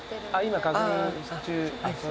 今確認中。